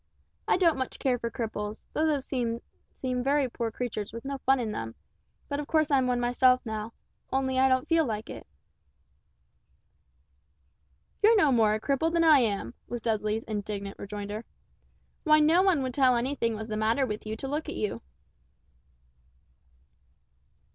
I don't much care for cripples, those I've seen seem very poor creatures with no fun in them, but of course I'm one myself now; only I don't feel like it." "You're no more a cripple than I am," was Dudley's indignant rejoinder, "why no one would tell anything was the matter with you to look at you."